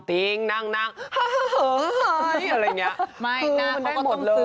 อะไรอย่างเงี้ยฮืมมันแม่โหมดเลย